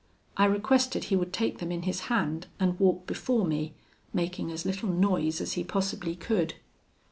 I requested he would take them in his hand and walk before me, making as little noise as he possibly could.